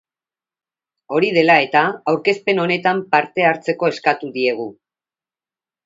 Hori dela eta, aurkezpen honetan parte hartzeko eskatu diegu.